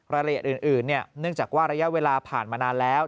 รายละเอียดอื่นเนื่องจากว่าระยะเวลาผ่านมานานแล้ว